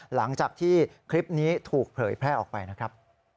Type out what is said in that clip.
หลังจากที่คลิปนี้ถูกเผยแพร่ออกไปนะครับ